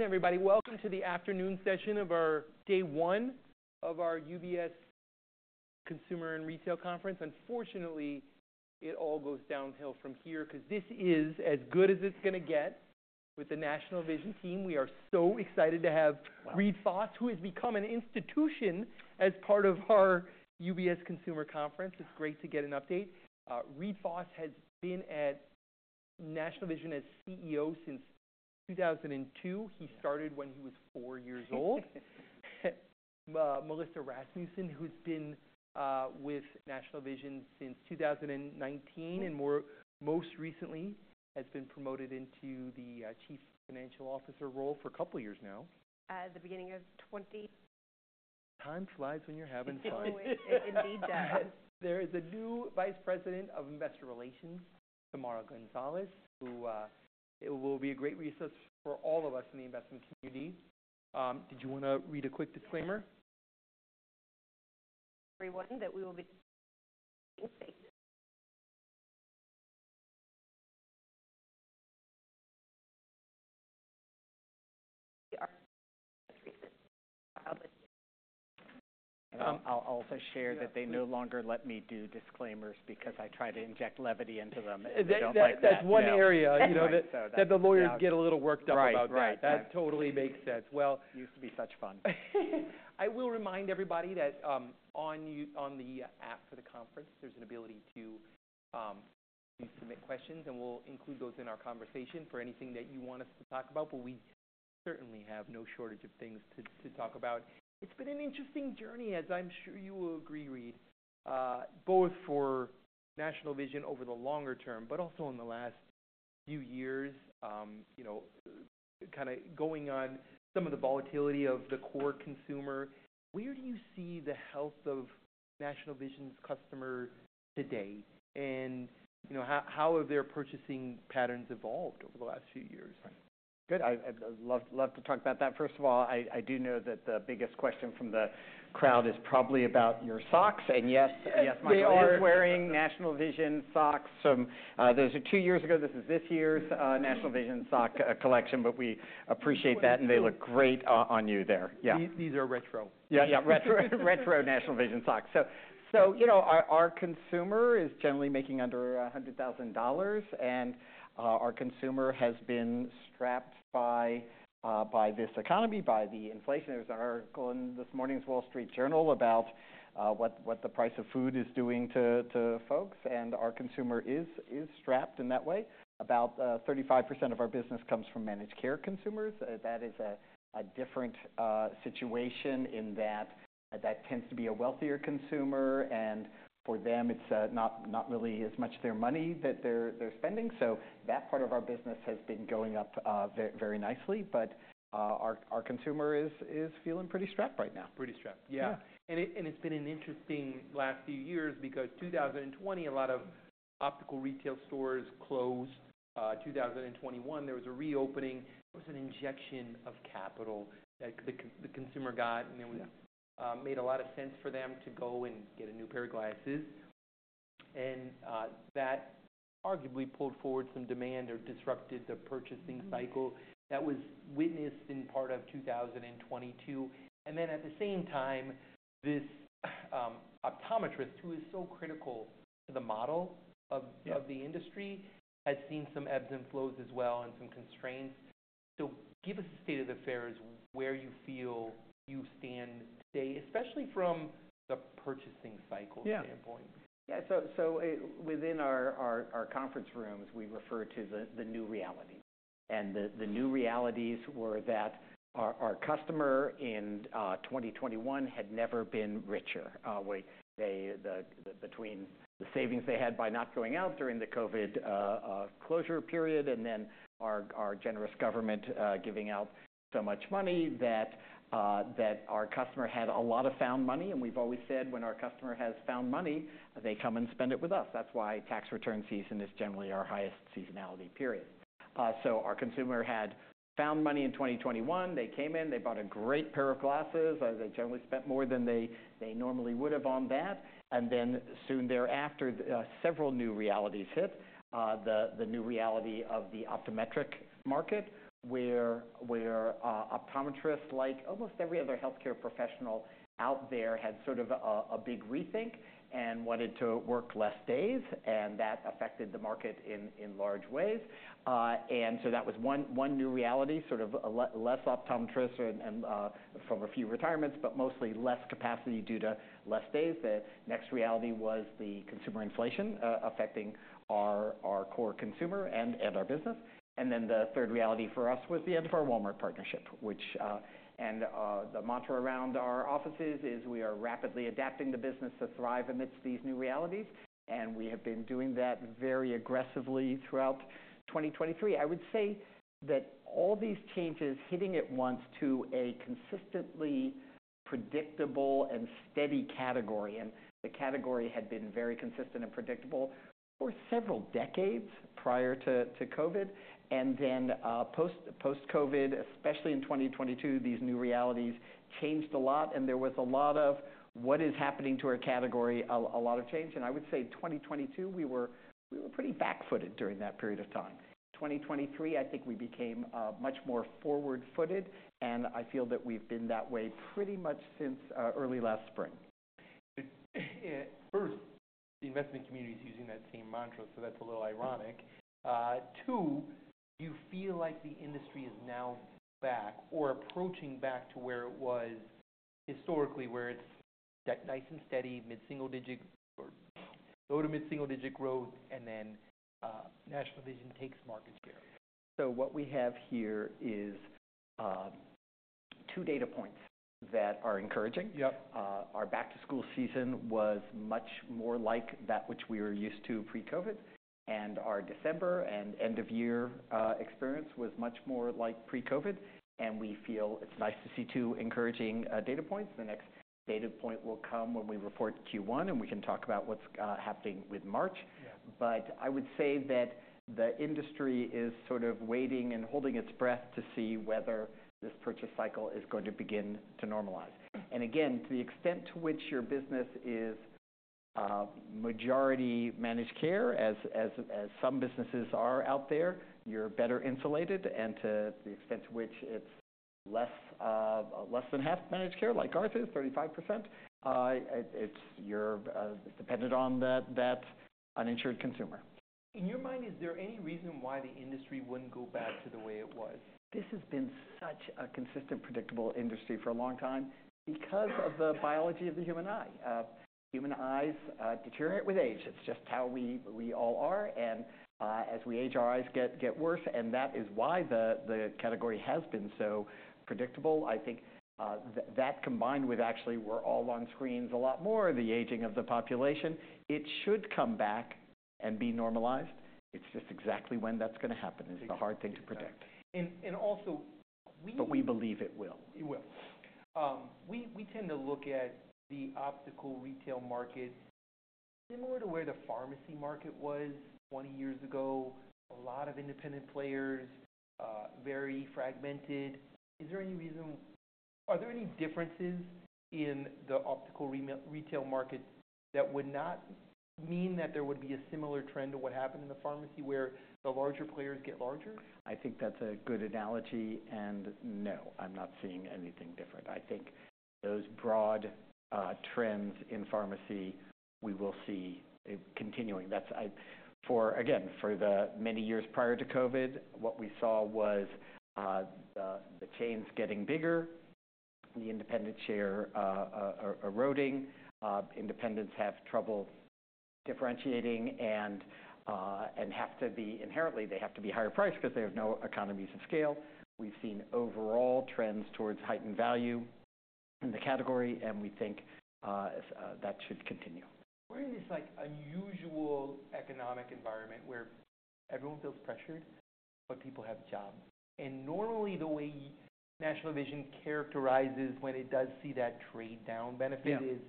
Good afternoon, everybody. Welcome to the afternoon session of our day one of our UBS Consumer and Retail Conference. Unfortunately, it all goes downhill from here, because this is as good as it's going to get with the National Vision team. We are so excited to have- Wow. Reade Fahs, who has become an institution as part of our UBS Consumer Conference. It's great to get an update. Reade Fahs has been at National Vision as CEO since 2002. Yeah. He started when he was four years old. Melissa Rasmussen, who's been with National Vision since 2019, and more recently, has been promoted into the Chief Financial Officer role for a couple of years now. At the beginning of twenty- Time flies when you're having fun. It indeed does. There is a new Vice President of Investor Relations, Tamara Gonzalez, who it will be a great resource for all of us in the investment community. Did you want to read a quick disclaimer? Everyone, that we will be I'll also share that they no longer let me do disclaimers because I try to inject levity into them, and they don't like that. That's one area, you know- That's right. that the lawyers get a little worked up about that. Right. Right. That totally makes sense, as well. Used to be such fun. I will remind everybody that on the app for the conference, there's an ability to submit questions, and we'll include those in our conversation for anything that you want us to talk about, but we certainly have no shortage of things to talk about. It's been an interesting journey, as I'm sure you will agree, Reade, both for National Vision over the longer term, but also in the last few years. You know, kind of going on some of the volatility of the core consumer, where do you see the health of National Vision's customer today? And you know, how have their purchasing patterns evolved over the last few years? Good. I'd love to talk about that. First of all, I do know that the biggest question from the crowd is probably about your socks. And yes, yes- They are. Michael is wearing National Vision socks. Those are two years ago. This is this year's National Vision sock collection, but we appreciate that, and they look great on you there. Yeah. These are retro. Yeah, yeah, retro National Vision socks. So, you know, our consumer is generally making under $100,000, and our consumer has been strapped by this economy, by the inflation. There's an article in this morning's Wall Street Journal about what the price of food is doing to folks, and our consumer is strapped in that way. About 35% of our business comes from managed care consumers. That is a different situation in that that tends to be a wealthier consumer, and for them, it's not really as much their money that they're spending. So that part of our business has been going up very, very nicely. But our consumer is feeling pretty strapped right now. Pretty strapped. Yeah. It's been an interesting last few years because 2020, a lot of optical retail stores closed. 2021, there was a reopening. It was an injection of capital that the consumer got- Yeah... and it made a lot of sense for them to go and get a new pair of glasses. That arguably pulled forward some demand or disrupted the purchasing cycle. Mm-hmm. That was witnessed in part of 2022. And then at the same time, this, optometrist, who is so critical to the model of- Yeah of the industry, has seen some ebbs and flows as well, and some constraints. So give us a state of affairs where you feel you stand today, especially from the purchasing cycle. Yeah - standpoint. Yeah. So within our conference rooms, we refer to the new reality. And the new realities were that our customer in 2021 had never been richer. We between the savings they had by not going out during the COVID closure period, and then our generous government giving out so much money that our customer had a lot of found money. And we've always said, when our customer has found money, they come and spend it with us. That's why tax return season is generally our highest seasonality period. So our consumer had found money in 2021. They came in, they bought a great pair of glasses, as they generally spent more than they normally would have on that. And then soon thereafter, several new realities hit. The new reality of the optometric market, where optometrists, like almost every other healthcare professional out there, had sort of a big rethink and wanted to work less days, and that affected the market in large ways. And so that was one new reality, sort of a less optometrists and from a few retirements, but mostly less capacity due to less days. The next reality was the consumer inflation affecting our core consumer and our business. Then the third reality for us was the end of our Walmart partnership, which... The mantra around our offices is, "We are rapidly adapting the business to thrive amidst these new realities." We have been doing that very aggressively throughout 2023. I would say that all these changes hitting at once to a consistently predictable and steady category, and the category had been very consistent and predictable for several decades prior to COVID. And then, post-COVID, especially in 2022, these new realities changed a lot, and there was a lot of what is happening to our category, a lot of change. And I would say 2022, we were pretty back footed during that period of time. 2023, I think we became much more forward footed, and I feel that we've been that way pretty much since early last spring.... first, the investment community is using that same mantra, so that's a little ironic. 2, do you feel like the industry is now back or approaching back to where it was historically, where it's nice and steady, mid-single digit or low to mid-single digit growth, and then, National Vision takes market share? What we have here is two data points that are encouraging. Yep. Our back-to-school season was much more like that which we were used to pre-COVID, and our December and end-of-year experience was much more like pre-COVID, and we feel it's nice to see two encouraging data points. The next data point will come when we report Q1, and we can talk about what's happening with March. Yeah. But I would say that the industry is sort of waiting and holding its breath to see whether this purchase cycle is going to begin to normalize. And again, to the extent to which your business is majority managed care, as some businesses are out there, you're better insulated, and to the extent to which it's less than half managed care, like ours is, 35%, it's you're dependent on that uninsured consumer. In your mind, is there any reason why the industry wouldn't go back to the way it was? This has been such a consistent, predictable industry for a long time because of the biology of the human eye. Human eyes deteriorate with age. It's just how we all are, and as we age, our eyes get worse, and that is why the category has been so predictable. I think that combined with actually we're all on screens a lot more, the aging of the population, it should come back and be normalized. It's just exactly when that's gonna happen is the hard thing to predict. And also we- But we believe it will. It will. We tend to look at the optical retail market, similar to where the pharmacy market was 20 years ago. A lot of independent players, very fragmented. Is there any reason... Are there any differences in the optical retail market that would not mean that there would be a similar trend to what happened in the pharmacy, where the larger players get larger? I think that's a good analogy, and no, I'm not seeing anything different. I think those broad trends in pharmacy, we will see it continuing. That's for, again, for the many years prior to COVID, what we saw was the chains getting bigger, the independent share eroding. Independents have trouble differentiating and have to be inherently, they have to be higher priced because they have no economies of scale. We've seen overall trends towards heightened value in the category, and we think that should continue. We're in this, like, unusual economic environment where everyone feels pressured, but people have jobs. And normally, the way National Vision characterizes when it does see that trade-down benefit- Yeah is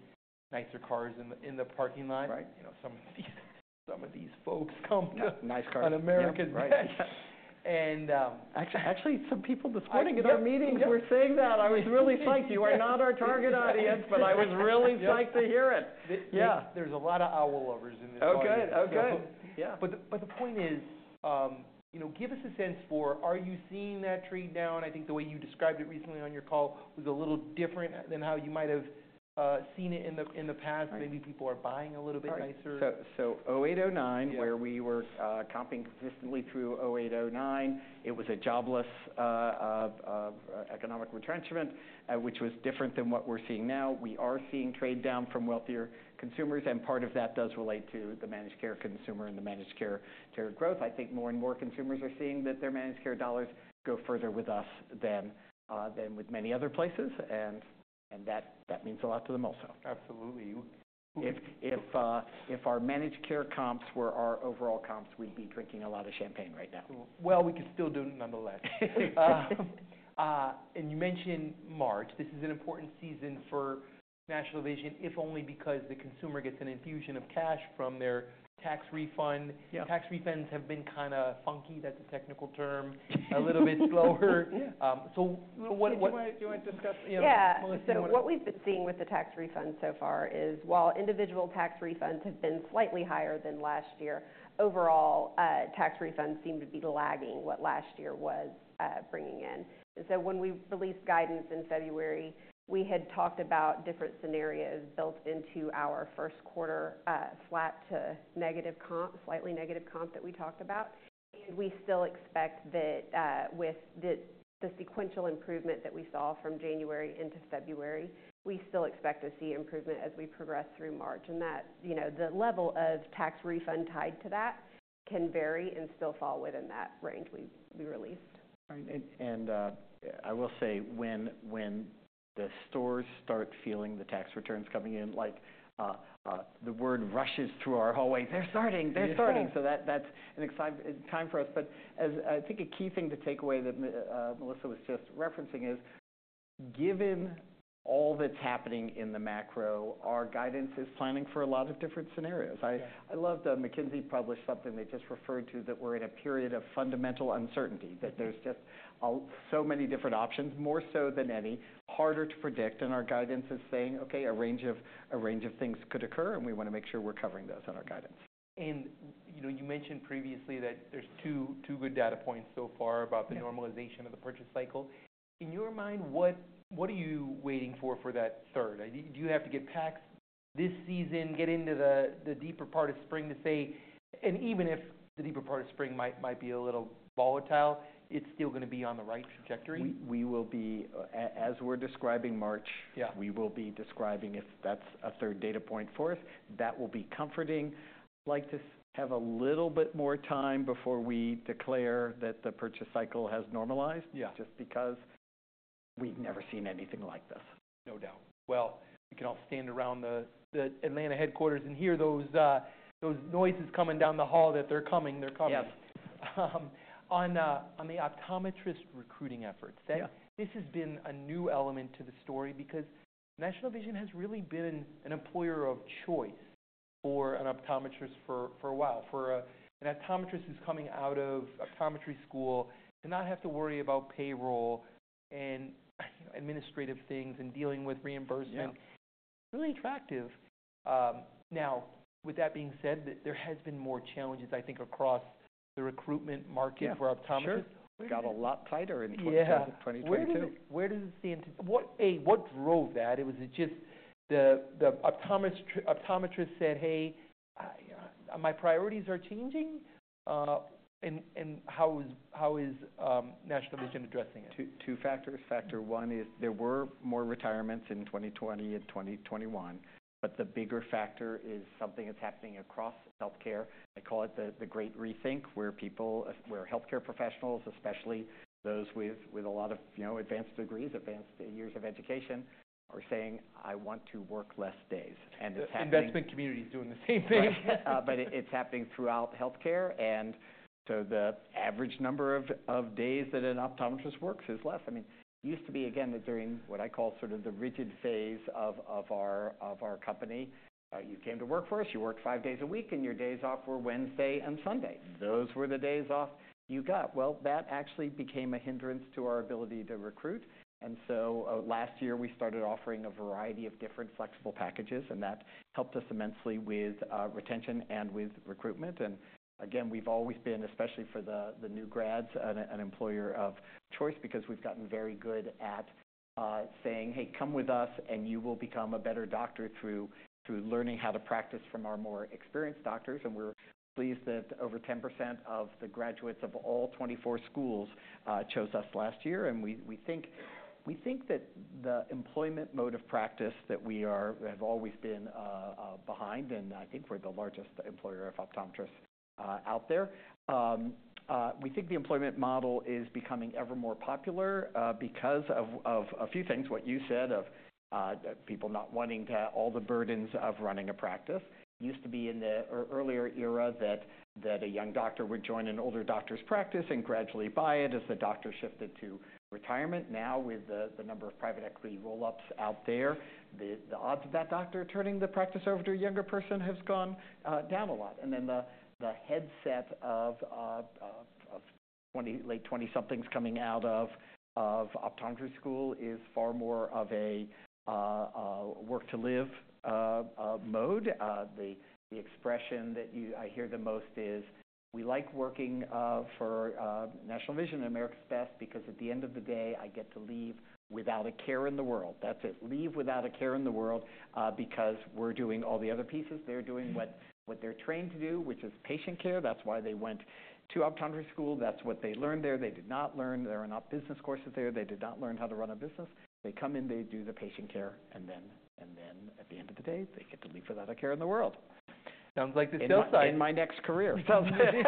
nicer cars in the parking lot. Right. You know, some of these, some of these folks come to- Nice cars. On American Express. Right. Yeah. And, um- Actually, actually, some people this morning in our meetings were saying that. I was really psyched. You are not our target audience, but I was really psyched to hear it. Yeah. There's a lot of owl lovers in this audience. Okay. Okay. Yeah. But the point is, you know, give us a sense for, are you seeing that trade-down? I think the way you described it recently on your call was a little different than how you might have seen it in the past. Right. Maybe people are buying a little bit nicer. So, 2008, 2009- Yeah... where we were, comping consistently through 2008, 2009, it was a jobless, economic retrenchment, which was different than what we're seeing now. We are seeing trade-down from wealthier consumers, and part of that does relate to the managed care consumer and the managed care growth. I think more and more consumers are seeing that their managed care dollars go further with us than, than with many other places, and that means a lot to them also. Absolutely. If our managed care comps were our overall comps, we'd be drinking a lot of champagne right now. Well, we could still do it nonetheless. You mentioned March. This is an important season for National Vision, if only because the consumer gets an infusion of cash from their tax refund. Yeah. Tax refunds have been kinda funky. That's a technical term. A little bit slower. Yeah. So, but what- Do you mind, do you mind discussing? Yeah. Melissa, do you wanna- Yeah, so what we've been seeing with the tax refunds so far is, while individual tax refunds have been slightly higher than last year, overall, tax refunds seem to be lagging what last year was bringing in. And so when we released guidance in February, we had talked about different scenarios built into our first quarter, flat to negative comp, slightly negative comp that we talked about. And we still expect that, with the sequential improvement that we saw from January into February, we still expect to see improvement as we progress through March. And that, you know, the level of tax refund tied to that can vary and still fall within that range we released. Right. And I will say, when the stores start feeling the tax returns coming in, like, the word rushes through our hallways, "They're starting! They're starting. Yeah. So that's an exciting time for us. But I think a key thing to take away that Melissa was just referencing is, given all that's happening in the macro, our guidance is planning for a lot of different scenarios. Yeah. I love that McKinsey published something they just referred to, that we're in a period of fundamental uncertainty. Mm-hmm. That there's just so many different options, more so than any, harder to predict, and our guidance is saying, "Okay, a range of, a range of things could occur, and we want to make sure we're covering those on our guidance. You know, you mentioned previously that there's two good data points so far about... Yeah... the normalization of the purchase cycle. In your mind, what are you waiting for for that third? Do you have to get past this season, get into the deeper part of spring to say, and even if the deeper part of spring might be a little volatile, it's still gonna be on the right trajectory? We will be as we're describing March- Yeah. We will be describing if that's a third data point for us, that will be comforting. Like to have a little bit more time before we declare that the purchase cycle has normalized- Yeah Just because we've never seen anything like this. No doubt. Well, we can all stand around the Atlanta headquarters and hear those noises coming down the hall that they're coming, they're coming. Yeah. On the optometrist recruiting efforts. Yeah This has been a new element to the story because National Vision has really been an employer of choice for an optometrist for a while. For an optometrist who's coming out of optometry school, to not have to worry about payroll and administrative things and dealing with reimbursement- Yeah really attractive. Now, with that being said, there has been more challenges, I think, across the recruitment market- Yeah, sure. - for optometrists. Got a lot tighter in- Yeah - 2022. What drove that? Was it just the optometrist said, "Hey, my priorities are changing?" And how is National Vision addressing it? Two, two factors. Factor one is there were more retirements in 2020 and 2021, but the bigger factor is something that's happening across healthcare. They call it the great rethink, where people, where healthcare professionals, especially those with, with a lot of, you know, advanced degrees, advanced years of education, are saying, "I want to work less days." And it's happening- The investment community is doing the same thing. Right. But it, it's happening throughout healthcare, and so the average number of days that an optometrist works is less. I mean, it used to be, again, that during what I call sort of the rigid phase of our company, you came to work for us, you worked five days a week, and your days off were Wednesday and Sunday. Those were the days off you got. Well, that actually became a hindrance to our ability to recruit, and so, last year, we started offering a variety of different flexible packages, and that helped us immensely with retention and with recruitment. And again, we've always been, especially for the new grads, an employer of choice because we've gotten very good at saying, "Hey, come with us, and you will become a better doctor through learning how to practice from our more experienced doctors." And we're pleased that over 10% of the graduates of all 24 schools chose us last year. And we think that the employment mode of practice that we have always been behind, and I think we're the largest employer of optometrists out there. We think the employment model is becoming ever more popular because of a few things. What you said, of people not wanting to have all the burdens of running a practice. It used to be in the earlier era that a young doctor would join an older doctor's practice and gradually buy it as the doctor shifted to retirement. Now, with the number of private equity roll-ups out there, the odds of that doctor turning the practice over to a younger person has gone down a lot. Then the mindset of late twenty-somethings coming out of optometry school is far more of a work-to-live mode. The expression that you—I hear the most is: We like working for National Vision and America's Best, because at the end of the day, I get to leave without a care in the world. That's it. Leave without a care in the world, because we're doing all the other pieces. They're doing what, what they're trained to do, which is patient care. That's why they went to optometry school. That's what they learned there. They did not learn. There are not business courses there. They did not learn how to run a business. They come in, they do the patient care, and then, and then at the end of the day, they get to leave without a care in the world. Sounds like this job site. In my next career. Sounds good.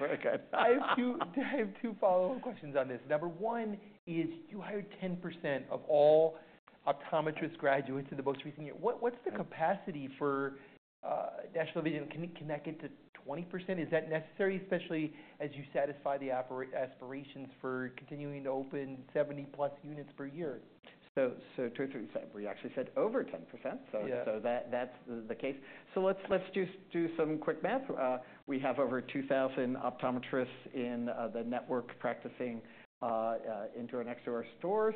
Very good. I have two, I have two follow-up questions on this. Number one is, you hired 10% of all optometrist graduates in the most recent year. What, what's the capacity for National Vision? Can it, can that get to 20%? Is that necessary, especially as you satisfy the operational aspirations for continuing to open 70+ units per year? We actually said over 10%. Yeah. That's the case. Let's do some quick math. We have over 2000 optometrists in the network practicing into and next to our stores.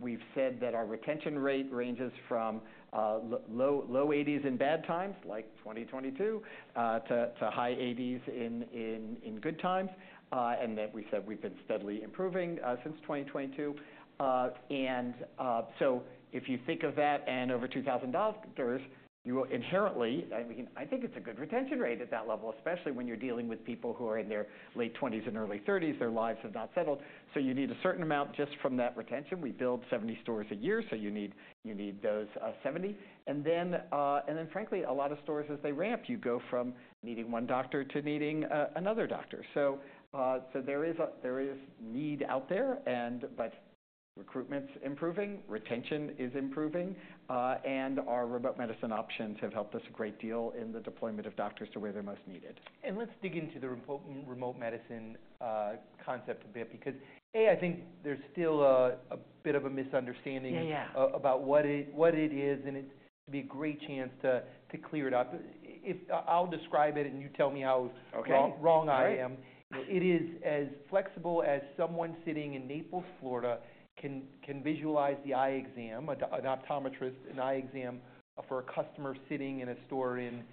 We've said that our retention rate ranges from low 80s in bad times, like 2022, to high 80s in good times. And that we said we've been steadily improving since 2022. And so if you think of that and over 2000 doctors, you will inherently, I mean, I think it's a good retention rate at that level, especially when you're dealing with people who are in their late 20s and early 30s. Their lives have not settled, so you need a certain amount just from that retention. We build 70 stores a year, so you need, you need those 70. And then frankly, a lot of stores, as they ramp, you go from needing one doctor to needing another doctor. So there is need out there, and but recruitment's improving, retention is improving, and our remote medicine options have helped us a great deal in the deployment of doctors to where they're most needed. Let's dig into the remote medicine concept a bit, because A, I think there's still a bit of a misunderstanding- Yeah, yeah about what it, what it is, and it's gonna be a great chance to, to clear it up. If... I'll describe it, and you tell me how- Okay Wrong, wrong. I am. Great. It is as flexible as someone sitting in Naples, Florida, can visualize the eye exam for a customer sitting in a store in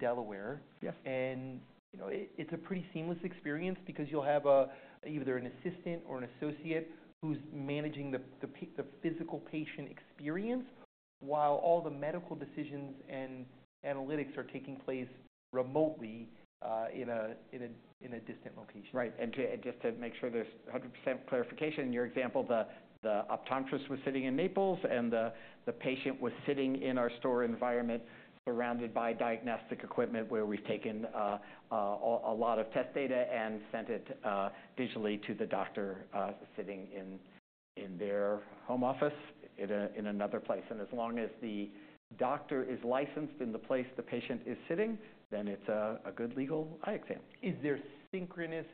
Delaware. Yes. You know, it's a pretty seamless experience because you'll have either an assistant or an associate who's managing the physical patient experience, while all the medical decisions and analytics are taking place remotely in a distant location. Right. And just to make sure there's 100% clarification, in your example, the optometrist was sitting in Naples, and the patient was sitting in our store environment, surrounded by diagnostic equipment, where we've taken a lot of test data and sent it digitally to the doctor sitting in their home office, in another place. And as long as the doctor is licensed in the place the patient is sitting, then it's a good legal eye exam. Is there synchronous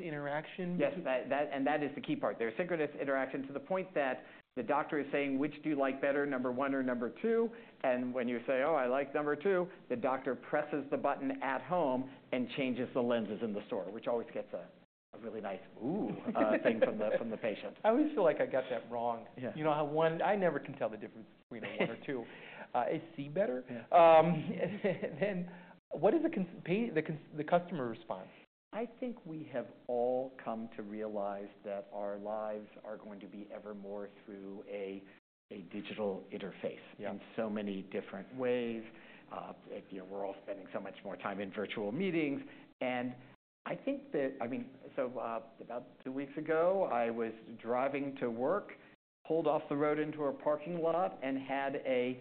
interaction? Yes, that. And that is the key part. There's synchronous interaction to the point that the doctor is saying, "Which do you like better, number 1 or number 2?" And when you say, "Oh, I like number 2," the doctor presses the button at home and changes the lenses in the store, which always gets a really nice, "Ooh!" thing from the patient. I always feel like I got that wrong. Yeah. You know how one, I never can tell the difference between a one or two. It see better? Yeah. Then what is the customer response? I think we have all come to realize that our lives are going to be ever more through a digital interface- Yeah in so many different ways. You know, we're all spending so much more time in virtual meetings, and I think, I mean, so, about two weeks ago, I was driving to work, pulled off the road into a parking lot, and had a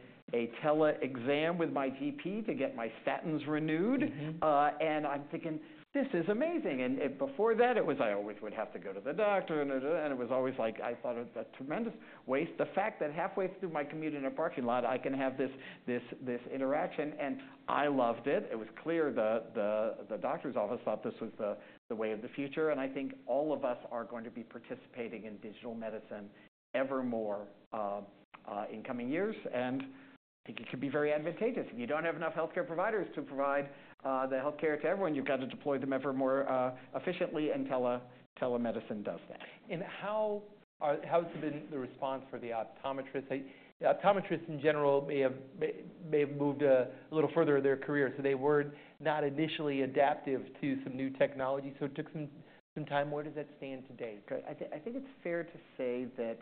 tele-exam with my GP to get my statins renewed. Mm-hmm. And I'm thinking, "This is amazing." And before that, it was I always would have to go to the doctor, and it was always like, I thought, a tremendous waste. The fact that halfway through my commute in a parking lot, I can have this interaction, and I loved it. It was clear the doctor's office thought this was the way of the future, and I think all of us are going to be participating in digital medicine ever more in coming years. And I think it can be very advantageous. You don't have enough healthcare providers to provide the healthcare to everyone. You've got to deploy them ever more efficiently, and telemedicine does that. How has been the response for the optometrists? The optometrists, in general, may have moved a little further in their career, so they were not initially adaptive to some new technology, so it took some time. Where does that stand today? Good. I think it's fair to say that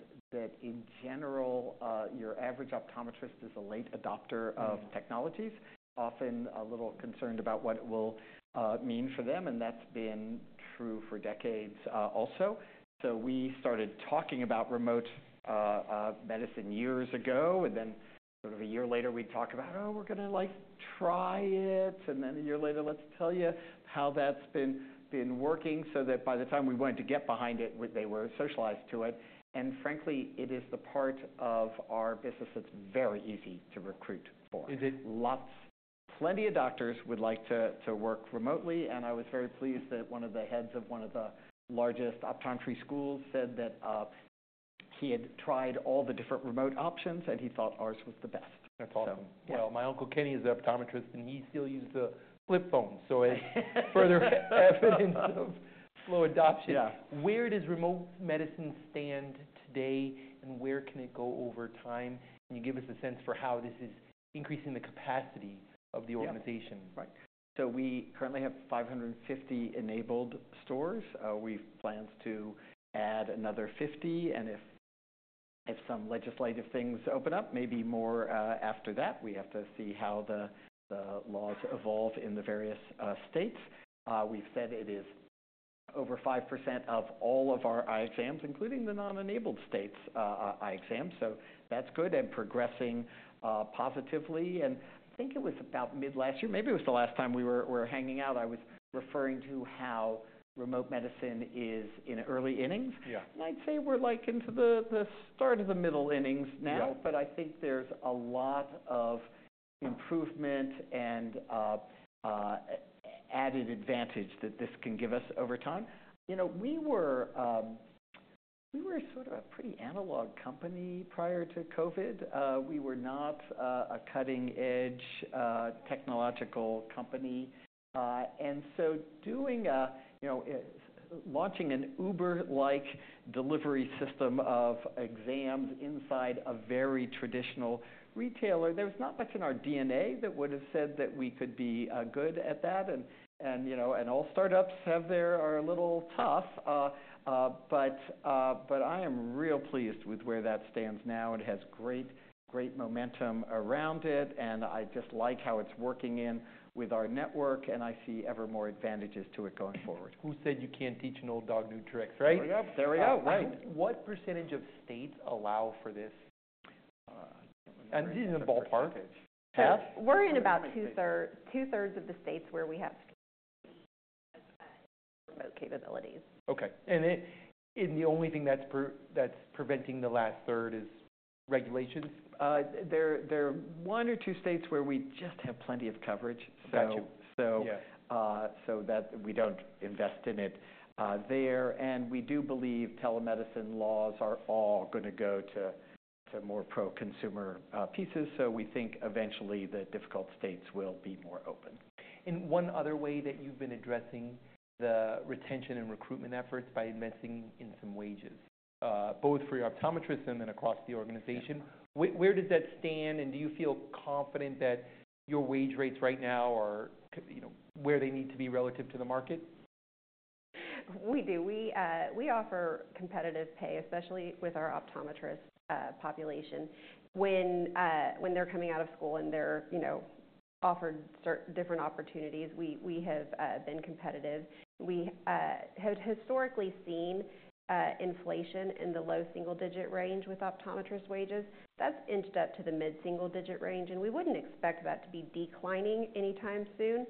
in general, your average optometrist is a late adopter- Mm-hmm of technologies, often a little concerned about what it will mean for them, and that's been true for decades also. So we started talking about remote medicine years ago, and then sort of a year later, we talked about, "Oh, we're gonna, like, try it." And then a year later, "Let's tell you how that's been working." So that by the time we went to get behind it, they were socialized to it. And frankly, it is the part of our business that's very easy to recruit for. Is it? Plenty of doctors would like to work remotely, and I was very pleased that one of the heads of one of the largest optometry schools said that he had tried all the different remote options, and he thought ours was the best. That's awesome. So, yeah. Well, my Uncle Kenny is an optometrist, and he still uses a flip phone. So further evidence of slow adoption. Yeah. Where does remote medicine stand today, and where can it go over time? Can you give us a sense for how this is increasing the capacity of the organization? Yeah. Right. So we currently have 550 enabled stores. We've plans to add another 50, and if some legislative things open up, maybe more after that. We have to see how the laws evolve in the various states. We've said it is over 5% of all of our eye exams, including the non-enabled states, eye exams, so that's good and progressing positively. And I think it was about mid-last year, maybe it was the last time we were hanging out, I was referring to how remote medicine is in early innings. Yeah. I'd say we're, like, into the start of the middle innings now. Yeah. But I think there's a lot of improvement and added advantage that this can give us over time. You know, we were sort of a pretty analog company prior to COVID. We were not a cutting-edge technological company. And so launching an Uber-like delivery system of exams inside a very traditional retailer, there's not much in our DNA that would have said that we could be good at that. You know, all startups are a little tough. But I am real pleased with where that stands now. It has great, great momentum around it, and I just like how it's working in with our network, and I see ever more advantages to it going forward. Who said you can't teach an old dog new tricks, right? There we go. There we go, right. What percentage of states allow for this? I don't remember- This is a ballpark. Percentage. We're in about two-thirds of the states where we have remote capabilities. Okay. And the only thing that's preventing the last third is regulations? There are one or two states where we just have plenty of coverage. Got you. So- Yeah... so that we don't invest in it there. And we do believe telemedicine laws are all gonna go to more pro-consumer pieces. So we think eventually the difficult states will be more open. One other way that you've been addressing the retention and recruitment efforts by investing in some wages, both for your optometrists and then across the organization. Where does that stand, and do you feel confident that your wage rates right now are, you know, where they need to be relative to the market? We do. We offer competitive pay, especially with our optometrist population. When they're coming out of school, and they're, you know, offered different opportunities, we have been competitive. We have historically seen inflation in the low single-digit range with optometrist wages. That's inched up to the mid-single digit range, and we wouldn't expect that to be declining anytime soon.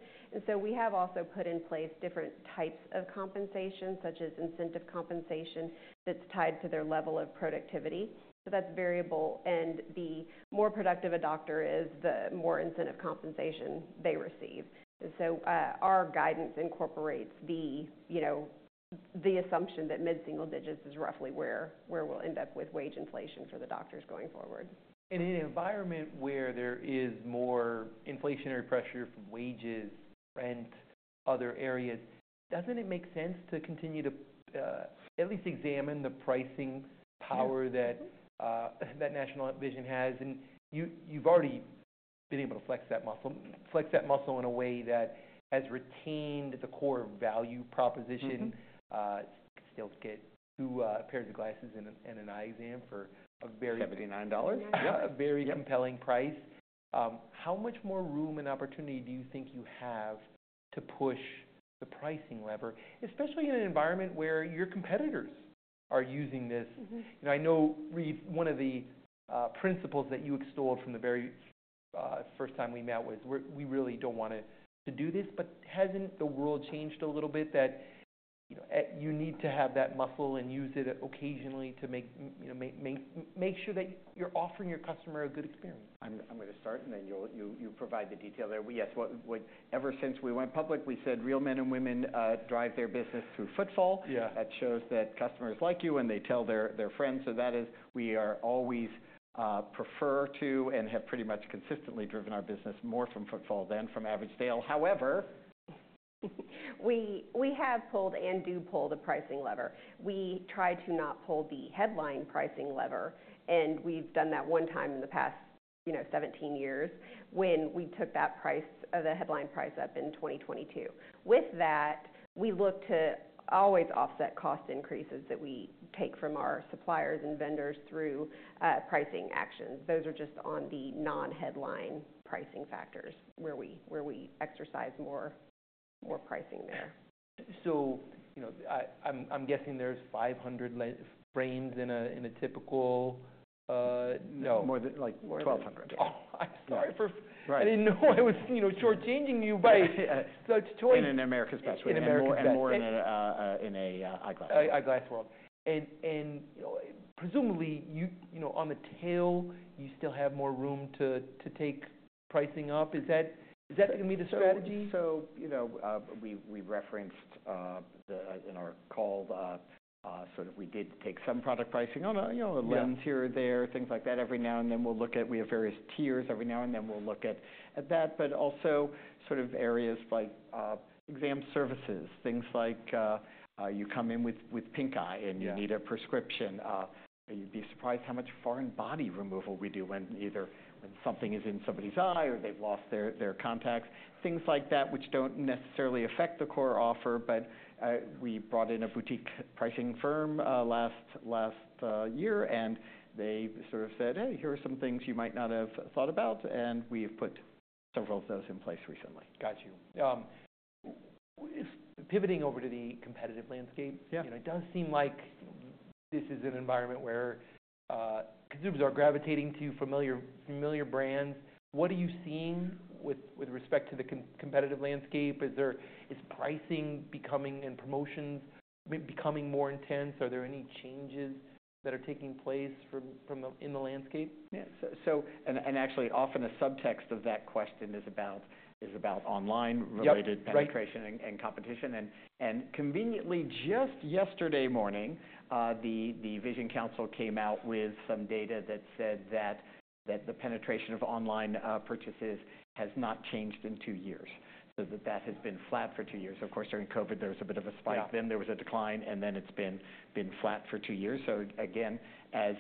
So we have also put in place different types of compensation, such as incentive compensation, that's tied to their level of productivity. So that's variable, and the more productive a doctor is, the more incentive compensation they receive. So our guidance incorporates the assumption that mid-single digits is roughly where we'll end up with wage inflation for the doctors going forward. In an environment where there is more inflationary pressure from wages and other areas, doesn't it make sense to continue to at least examine the pricing power- Yes. that, that National Vision has? And you, you've already been able to flex that muscle, flex that muscle in a way that has retained the core value proposition. Mm-hmm. You still get two pairs of glasses and an eye exam for a very- Seventy-nine dollars. Yeah, a very- Yep... compelling price. How much more room and opportunity do you think you have to push the pricing lever, especially in an environment where your competitors are using this? Mm-hmm. I know, Reade, one of the principles that you extolled from the very first time we met was, "We really don't want to do this," but hasn't the world changed a little bit that you need to have that muscle and use it occasionally to make, you know, sure that you're offering your customer a good experience? I'm gonna start, and then you'll provide the detail there. Yes, whatever since we went public, we said, "Real men and women drive their business through footfall. Yeah. That shows that customers like you, and they tell their friends. So that is, we are always prefer to and have pretty much consistently driven our business more from footfall than from average sale. However- We have pulled and do pull the pricing lever. We try to not pull the headline pricing lever, and we've done that one time in the past, you know, 17 years, when we took that price, the headline price up in 2022. With that, we look to always offset cost increases that we take from our suppliers and vendors through pricing actions. Those are just on the non-headline pricing factors, where we exercise more pricing there. So, you know, I'm guessing there's 500 frames in a typical. No. More than, like, 1,200. Oh, I'm sorry for- Right. I didn't know I was, you know, shortchanging you by so choice. In an America's Best. In America's Best. And more and more in an Eyeglass World. Eyeglass World. And presumably, you know, on the tail, you still have more room to take pricing up. Is that gonna be the strategy? So, you know, we referenced the in our call, sort of we did take some product pricing on, you know- Yeah... a lens here or there, things like that. Every now and then, we'll look at, we have various tiers. Every now and then, we'll look at that, but also sort of areas like exam services, things like you come in with pink eye, and- Yeah ...you need a prescription. You'd be surprised how much foreign body removal we do when either something is in somebody's eye or they've lost their contacts, things like that, which don't necessarily affect the core offer. But we brought in a boutique pricing firm last year, and they sort of said, "Hey, here are some things you might not have thought about," and we have put several of those in place recently. Got you. If pivoting over to the competitive landscape- Yeah. It does seem like this is an environment where consumers are gravitating to familiar, familiar brands. What are you seeing with respect to the competitive landscape? Is there... Is pricing becoming, and promotions becoming more intense? Are there any changes that are taking place from, from the, in the landscape? Yeah, so, and actually, often a subtext of that question is about online- Yep related penetration Right ...and competition. And conveniently, just yesterday morning, the Vision Council came out with some data that said that the penetration of online purchases has not changed in two years. So that has been flat for two years. Of course, during COVID, there was a bit of a spike. Yeah. Then there was a decline, and then it's been flat for two years. So again, as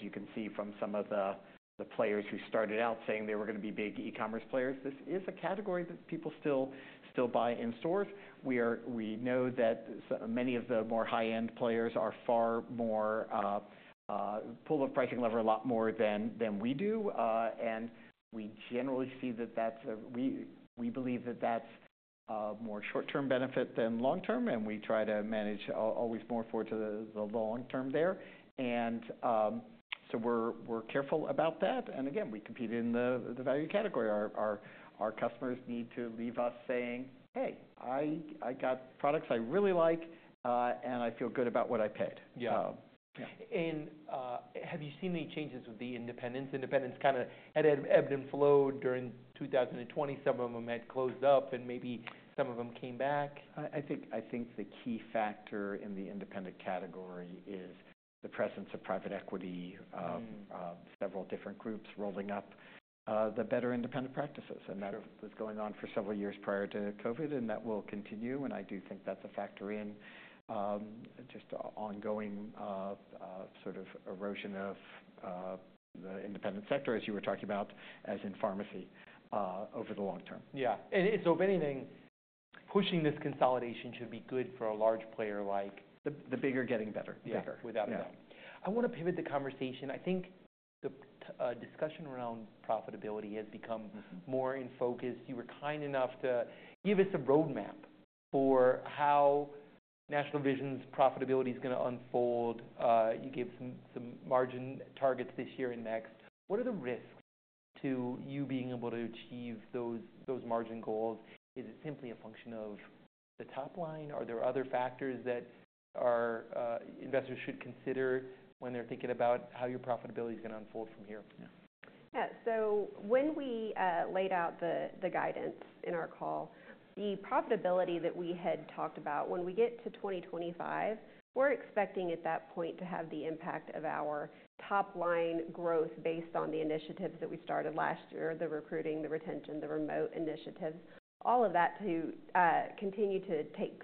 you can see from some of the players who started out saying they were gonna be big e-commerce players, this is a category that people still buy in stores. We know that many of the more high-end players are far more pull the pricing lever a lot more than we do. And we generally see that that's a. We believe that that's more short-term benefit than long-term, and we try to manage always more forward to the long term there. And so we're careful about that, and again, we compete in the value category. Our customers need to leave us saying, "Hey, I got products I really like, and I feel good about what I paid. Yeah. Um, yeah. Have you seen any changes with the independents? Independents kind of had ebbed and flowed during 2020. Some of them had closed up, and maybe some of them came back. I think the key factor in the independent category is the presence of private equity- Mm... several different groups rolling up the better independent practices. And that was going on for several years prior to COVID, and that will continue, and I do think that's a factor in just ongoing sort of erosion of the independent sector, as you were talking about, as in pharmacy over the long term. Yeah. If so many things pushing this consolidation should be good for a large player, like- The bigger getting better. Yeah. Better. Without a doubt. Yeah. I want to pivot the conversation. I think the discussion around profitability has become- Mm-hmm -more in focus. You were kind enough to give us a roadmap for how National Vision's profitability is gonna unfold. You gave some margin targets this year and next. What are the risks to you being able to achieve those margin goals? Is it simply a function of the top line, or are there other factors that investors should consider when they're thinking about how your profitability is gonna unfold from here? Yeah. Yeah. So when we laid out the guidance in our call, the profitability that we had talked about, when we get to 2025, we're expecting at that point to have the impact of our top line growth based on the initiatives that we started last year, the recruiting, the retention, the remote initiatives, all of that to continue to take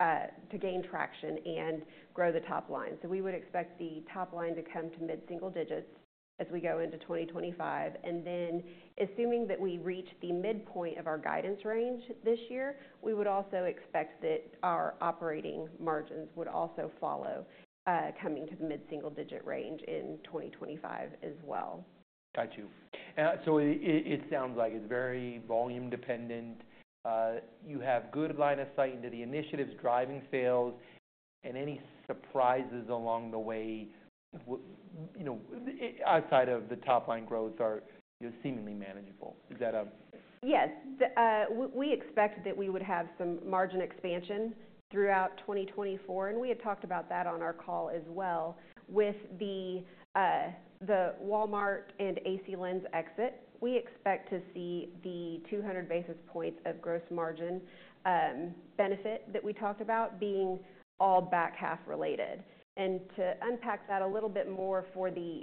to gain traction and grow the top line. So we would expect the top line to come to mid-single digits as we go into 2025. And then, assuming that we reach the midpoint of our guidance range this year, we would also expect that our operating margins would also follow coming to the mid-single-digit range in 2025 as well. Got you. So it sounds like it's very volume dependent. You have good line of sight into the initiatives driving sales, and any surprises along the way, you know, outside of the top line, growths are, you know, seemingly manageable. Is that a- Yes. The... We, we expect that we would have some margin expansion throughout 2024, and we had talked about that on our call as well. With the, the Walmart and AC Lens exit, we expect to see the 200 basis points of gross margin benefit, that we talked about being all back half related. And to unpack that a little bit more for the,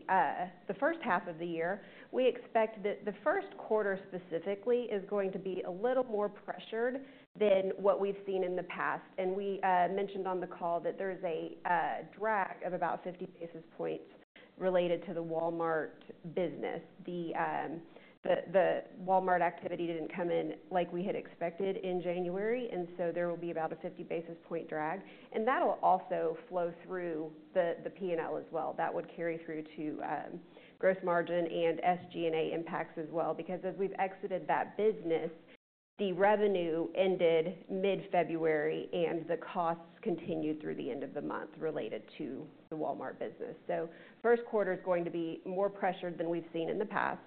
the first half of the year, we expect that the first quarter specifically, is going to be a little more pressured than what we've seen in the past. And we, mentioned on the call that there's a, drag of about 50 basis points related to the Walmart business. The Walmart activity didn't come in like we had expected in January, and so there will be about a 50 basis point drag, and that'll also flow through the P&L as well. That would carry through to growth margin and SG&A impacts as well, because as we've exited that business, the revenue ended mid-February, and the costs continued through the end of the month related to the Walmart business. So first quarter is going to be more pressured than we've seen in the past,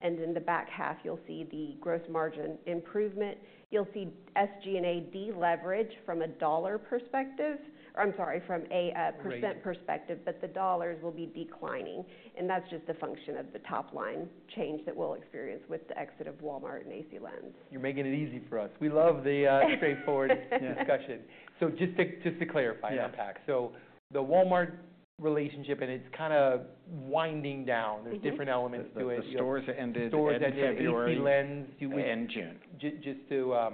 and in the back half, you'll see the gross margin improvement. You'll see SG&A deleverage from a dollar perspective- or I'm sorry, from a percent perspective- Right... but the dollars will be declining, and that's just a function of the top line change that we'll experience with the exit of Walmart and AC Lens. You're making it easy for us. We love the straightforward discussion. So just to, just to clarify and unpack. Yeah. The Walmart relationship, and it's kind of winding down. Mm-hmm. There's different elements to it. The stores ended mid-February- Stores ended, AC Lens, you- And June. Just to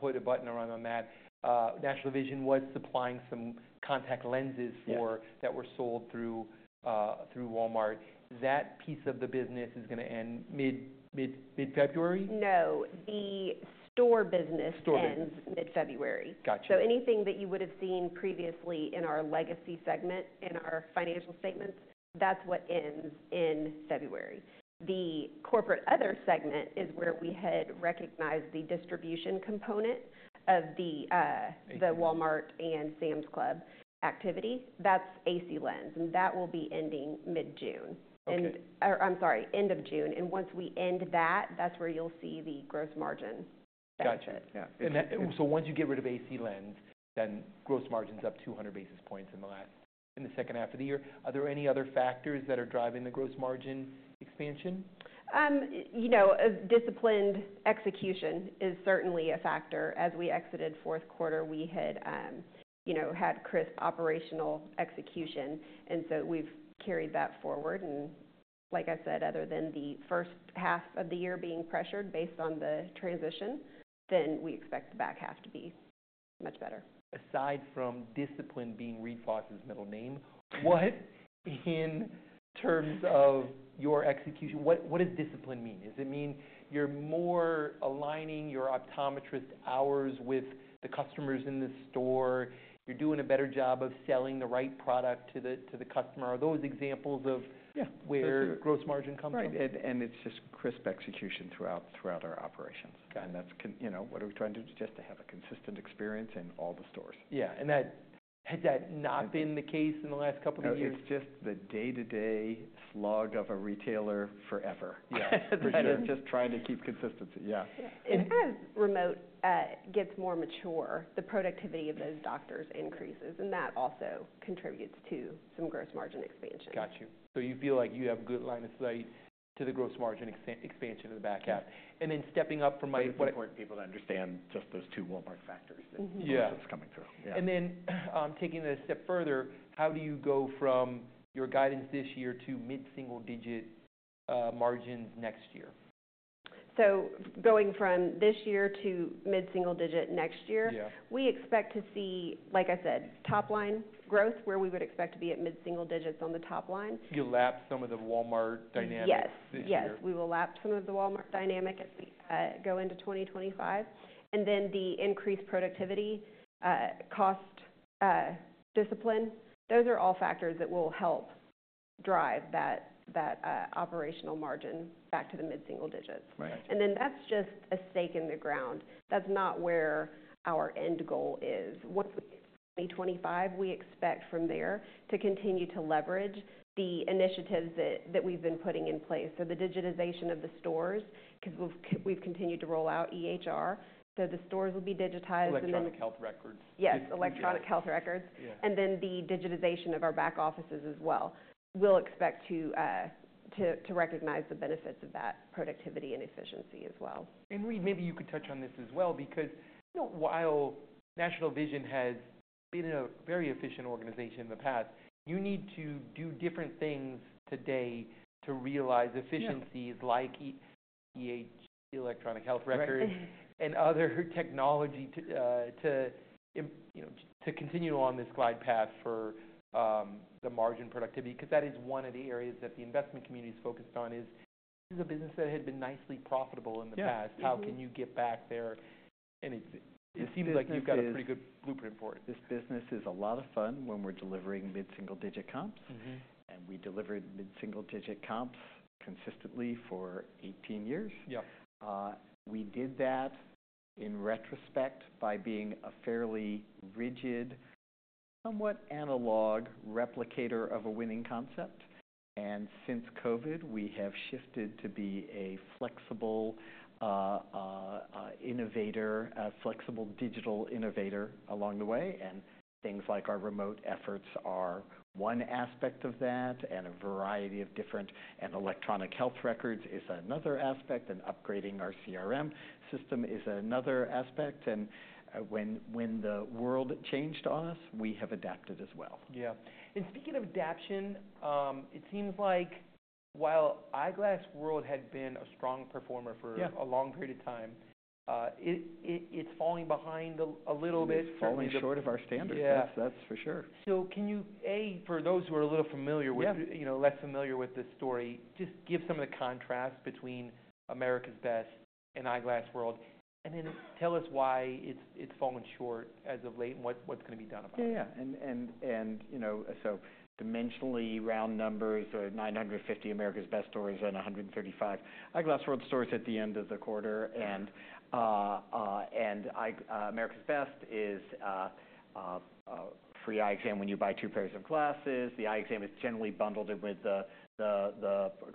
put a button around on that, National Vision was supplying some contact lenses for- Yeah -that were sold through Walmart. That piece of the business is gonna end mid-February? No, the store business- Store business -ends mid-February. Got you. So anything that you would have seen previously in our legacy segment, in our financial statements, that's what ends in February. The corporate other segment is where we had recognized the distribution component of the, AC Lens... the Walmart and Sam's Club activity. That's AC Lens, and that will be ending mid-June. Okay. I'm sorry, end of June. And once we end that, that's where you'll see the gross margin. Got you. Yeah. So once you get rid of AC Lens, then gross margin's up 200 basis points in the second half of the year. Are there any other factors that are driving the gross margin expansion? You know, a disciplined execution is certainly a factor. As we exited fourth quarter, we had crisp operational execution, and so we've carried that forward, and like I said, other than the first half of the year being pressured based on the transition, then we expect the back half to be much better. Aside from discipline being Reade Fahs's middle name, what, in terms of your execution, what does discipline mean? Does it mean you're more aligning your optometrist hours with the customers in the store? You're doing a better job of selling the right product to the customer. Are those examples of- Yeah Where gross margin comes from? Right, and it's just crisp execution throughout our operations. Got it. That's, you know, what are we trying to do? Just to have a consistent experience in all the stores. Yeah. And had that not been the case in the last couple of years? No, it's just the day-to-day slog of a retailer forever. Yeah. For sure. It's just trying to keep consistency. Yeah. Yeah. And as remote gets more mature, the productivity of those doctors increases, and that also contributes to some gross margin expansion. Got you. So you feel like you have good line of sight to the gross margin expansion in the back half? Yeah. And then stepping up from my, what- It's important for people to understand just those two Walmart factors. Mm-hmm. Yeah... that's coming through. Yeah. And then, taking it a step further, how do you go from your guidance this year to mid-single digit margins next year? Going from this year to mid-single digit next year? Yeah. We expect to see, like I said, top line growth, where we would expect to be at mid-single digits on the top line. You lap some of the Walmart dynamic- Yes -this year. Yes, we will lap some of the Walmart dynamic as we go into 2025, and then the increased productivity, discipline, those are all factors that will help drive that operational margin back to the mid-single digits. Right. Then that's just a stake in the ground. That's not where our end goal is. Once we get to 2025, we expect from there to continue to leverage the initiatives that we've been putting in place. So the digitization of the stores, 'cause we've continued to roll out EHR, so the stores will be digitized and then- Electronic Health Records. Yes, Electronic Health Records. Yeah. And then the digitization of our back offices as well. We'll expect to recognize the benefits of that productivity and efficiency as well. Reade, maybe you could touch on this as well, because, you know, while National Vision has been a very efficient organization in the past, you need to do different things today to realize efficiencies- Yeah... like Electronic Health Records- Right. and other technology to, you know, to continue on this glide path for the margin productivity, because that is one of the areas that the investment community is focused on. This is a business that had been nicely profitable in the past. Yeah. Mm-hmm. How can you get back there? And it seems like you've got a pretty good blueprint for it. This business is a lot of fun when we're delivering mid-single digit comps. Mm-hmm. We delivered mid-single-digit comps consistently for 18 years. Yep. We did that, in retrospect, by being a fairly rigid, somewhat analog replicator of a winning concept, and since COVID, we have shifted to be a flexible innovator, a flexible digital innovator along the way, and things like our remote efforts are one aspect of that, and electronic health records is another aspect, and upgrading our CRM system is another aspect. When the world changed on us, we have adapted as well. Yeah. And speaking of adaptation, it seems like while Eyeglass World had been a strong performer for- Yeah... a long period of time, it’s falling behind a little bit from the- It's falling short of our standards. Yeah. That's for sure. Can you, A, for those who are a little familiar with- Yeah... you know, less familiar with this story, just give some of the contrast between America's Best and Eyeglass World, and then tell us why it's fallen short as of late, and what's going to be done about it? Yeah, yeah. You know, so dimensionally, round numbers, 950 America's Best stores and 135 Eyeglass World stores at the end of the quarter. Yeah. America's Best is free eye exam when you buy two pairs of glasses. The eye exam is generally bundled in with the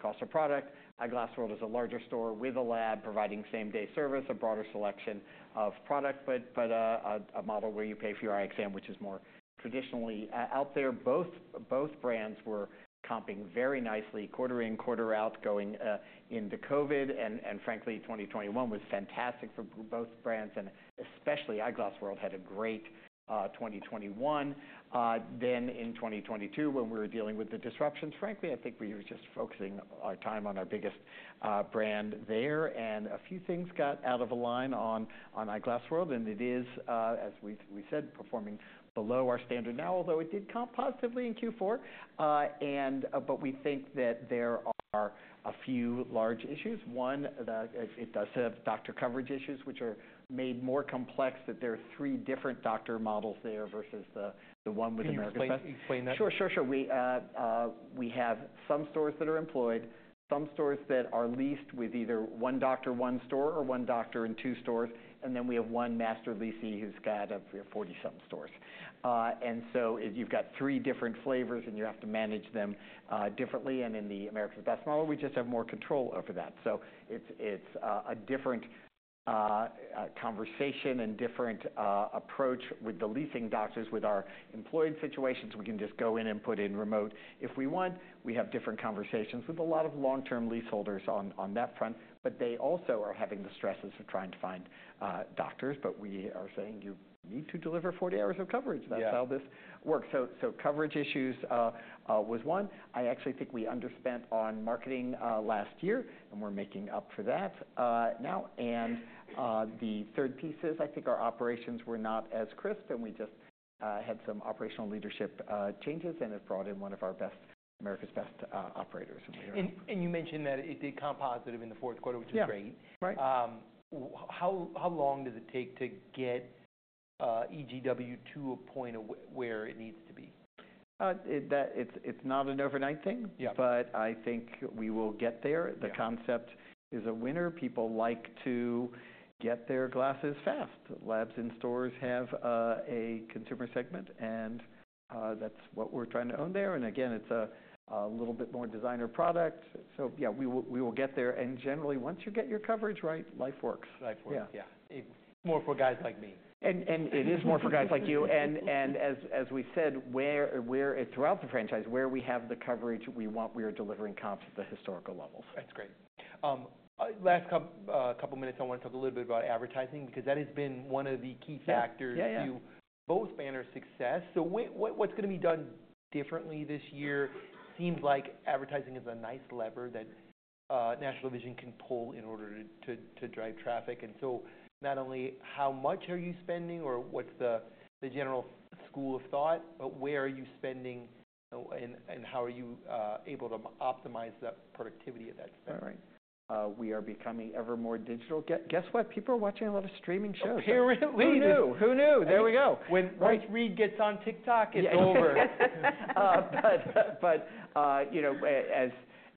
cost of product. Eyeglass World is a larger store with a lab, providing same-day service, a broader selection of product, but a model where you pay for your eye exam, which is more traditionally out there. Both brands were comping very nicely quarter in, quarter out, going into COVID. And frankly, 2021 was fantastic for both brands, and especially Eyeglass World had a great 2021. Then in 2022, when we were dealing with the disruptions, frankly, I think we were just focusing our time on our biggest brand there, and a few things got out of line on Eyeglass World, and it is, as we said, performing below our standard now, although it did comp positively in Q4. But we think that there are a few large issues. One, it does have doctor coverage issues, which are made more complex, that there are three different doctor models there versus the one with America's Best. Can you explain that? Sure, sure, sure. We have some stores that are employed, some stores that are leased with either one doctor, one store, or one doctor in two stores, and then we have one master lessee who's got 40-something stores. And so you've got three different flavors, and you have to manage them differently. And in the America's Best model, we just have more control over that. So it's a different conversation and different approach with the leasing doctors. With our employed situations, we can just go in and put in remote. If we want, we have different conversations with a lot of long-term leaseholders on that front, but they also are having the stresses of trying to find doctors, but we are saying: "You need to deliver 40 hours of coverage. Yeah. That's how this works. So, coverage issues was one. I actually think we underspent on marketing last year, and we're making up for that now. And the third piece is, I think our operations were not as crisp, and we just had some operational leadership changes and have brought in one of our best, America's Best, operators. And we are- And, you mentioned that it did comp positive in the fourth quarter- Yeah... which is great. Right. How long does it take to get EGW to a point of where it needs to be? It's not an overnight thing. Yeah. But I think we will get there. Yeah. The concept is a winner. People like to get their glasses fast. Labs in stores have a consumer segment, and that's what we're trying to own there. And again, it's a little bit more designer product. So yeah, we will get there, and generally, once you get your coverage right, life works. Life works. Yeah. Yeah. It's more for guys like me. And it is more for guys like you. And as we said, where throughout the franchise, where we have the coverage we want, we are delivering comps at the historical levels. That's great. Last couple minutes, I want to talk a little bit about advertising, because that has been one of the key factors- Yeah. Yeah, yeah... to both banners' success. So what, what's gonna be done differently this year? Seems like advertising is a nice lever that National Vision can pull in order to to drive traffic. And so not only how much are you spending or what's the the general school of thought, but where are you spending, and how are you able to optimize the productivity of that spend? All right. We are becoming ever more digital. Guess what? People are watching a lot of streaming shows. Apparently. Who knew? Who knew? There we go. When Reade gets on TikTok, it's over. But you know, as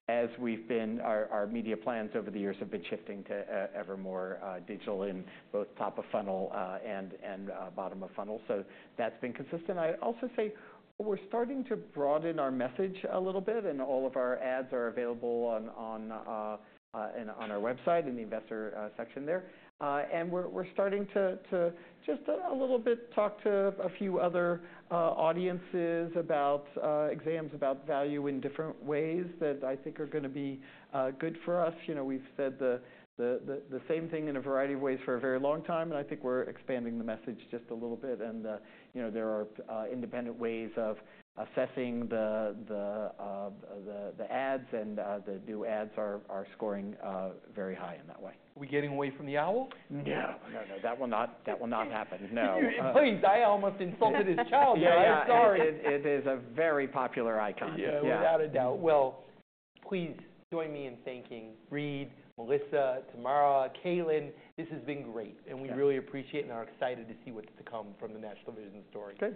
our media plans over the years have been shifting to ever more digital in both top of funnel and bottom of funnel. So that's been consistent. I'd also say we're starting to broaden our message a little bit, and all of our ads are available online and on our website, in the investor section there. And we're starting to just a little bit talk to a few other audiences about exams, about value in different ways that I think are gonna be good for us. You know, we've said the same thing in a variety of ways for a very long time, and I think we're expanding the message just a little bit. You know, there are independent ways of assessing the ads, and the new ads are scoring very high in that way. Are we getting away from the owl? Yeah. No, no, that will not, that will not happen, no. Please, I almost insulted his child there. I'm sorry. Yeah, it is a very popular icon. Yeah. Yeah. Without a doubt. Well, please join me in thanking Reade, Melissa, Tamara, Kalyn. This has been great- Yeah... and we really appreciate and are excited to see what's to come from the National Vision story. Okay.